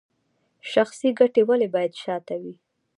شخصي ګټې ولې باید شاته وي؟